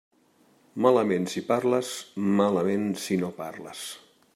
Malament si parles, malament si no parles.